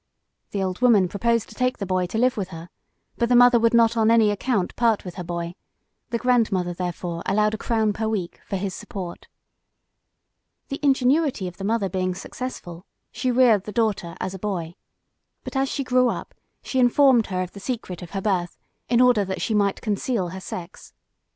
The old woman proposed to take the boy to live with her, but the mother would not on any account part with her boy; the grandmother, therefore, allowed a crown per week for his support. The ingenuity of the mother being successful, she reared the daughter as a boy. But as she grew up, she informed her of the secret of her birth, in order that she might conceal her sex.